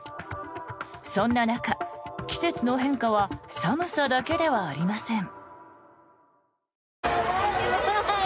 そんな中、季節の変化は寒さだけではありません。